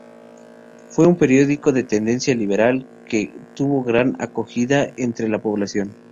Fue un periódico de tendencia liberal que tuvo gran acogida entre la población.